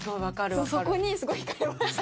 そこにすごい引かれました。